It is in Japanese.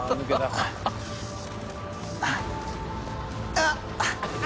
あっ！